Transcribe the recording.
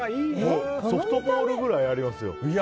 ソフトボールぐらいありますよ。